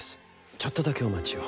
ちょっとだけお待ちを。